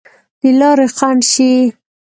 د لارې خنډ شي.